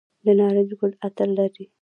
د نارنج ګل عطر لري؟